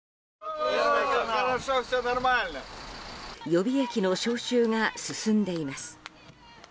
予備役の招集が進んでいます。